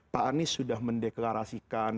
pak anies sudah mendeklarasikan